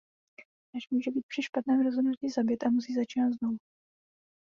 Hráč může být při špatném rozhodnutí zabit a musí začínat znovu.